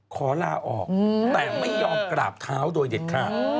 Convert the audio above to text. ขอลาออกแต่ไม่ยอมกราบเท้าโดยเด็ดขาด